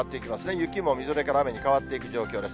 雪もみぞれから雨に変わっていく状況です。